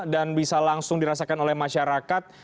dan bisa langsung dirasakan oleh masyarakat